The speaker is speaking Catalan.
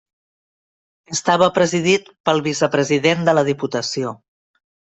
Estava presidit pel Vicepresident de la Diputació.